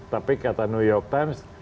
tapi kata new york times